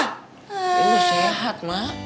ya lu sehat mak